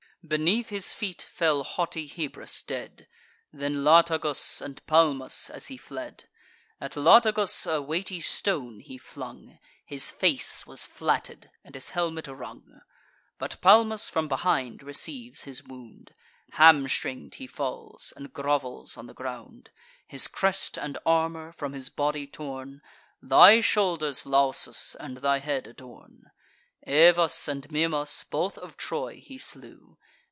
Beneath his feet fell haughty Hebrus dead, Then Latagus, and Palmus as he fled. At Latagus a weighty stone he flung: His face was flatted, and his helmet rung. But Palmus from behind receives his wound; Hamstring'd he falls, and grovels on the ground: His crest and armour, from his body torn, Thy shoulders, Lausus, and thy head adorn. Evas and Mimas, both of Troy, he slew.